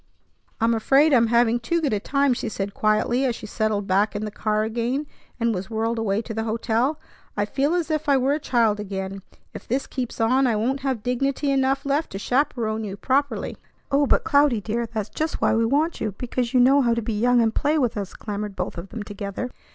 "I'm afraid I'm having too good a time," she said quietly as she settled back in the car again, and was whirled away to the hotel. "I feel as if I were a child again. If this keeps on, I won't have dignity enough left to chaperon you properly." "Oh, but Cloudy, dear, that's just why we want you, because you know how to be young and play with us," clamored both of them together.